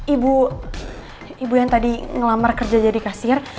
ibu ibu yang tadi ngelamar kerja jadi kasir